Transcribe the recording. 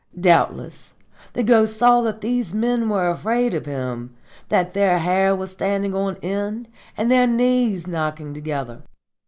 Doubtless the Ghost saw that these men were afraid of him, that their hair was standing on end and their knees knocking together.